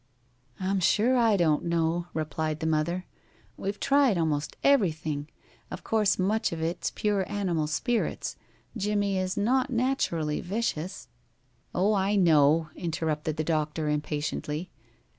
"I'm sure I don't know," replied the mother. "We've tried almost everything. Of course much of it is pure animal spirits. Jimmie is not naturally vicious " "Oh, I know," interrupted the doctor, impatiently.